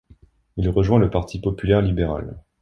Il rejoint le parti populaire libéral.